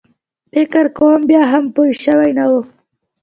فکر کوم بیا هم پوی شوی نه و.